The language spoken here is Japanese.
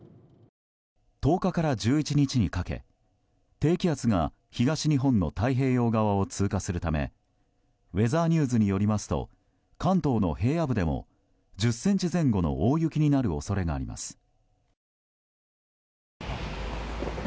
１０日から１１日にかけ低気圧が東日本の太平洋側を通過するためウェザーニューズによりますと関東の平野部でも１０ｃｍ前後の大雪になる恐れがあります。